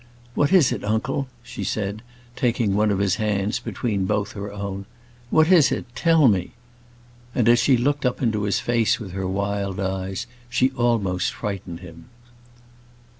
"What is it, uncle?" she said, taking one of his hands between both of her own. "What is it? Tell me." And as she looked up into his face with her wild eyes, she almost frightened him.